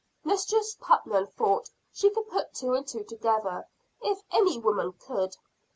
Mistress Putnam thought she could put two and two together, if any woman could.